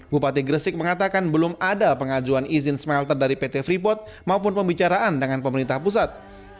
bupati gresik mengatakan belum ada pengajuan izin smelter dari pt freeport maupun pembicaraan dengan pemerintah pusat